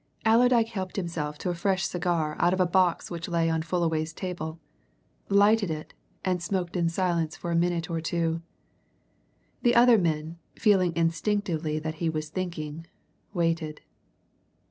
Allerdyke helped himself to a fresh cigar out of a box which lay on Fullaway's table, lighted it, and smoked in silence for a minute or two. The other men, feeling instinctively that he was thinking, waited.